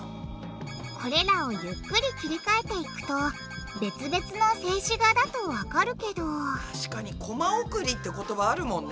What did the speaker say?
これらをゆっくり切り替えていくと別々の静止画だとわかるけど確かにコマ送りって言葉あるもんね。